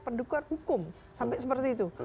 pendekar hukum sampai seperti itu